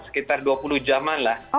sekitar dua puluh jaman lah